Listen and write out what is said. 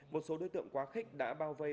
một số đối tượng quá khích đã bao vây